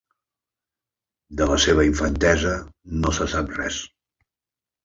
De la seva infantesa no se sap res.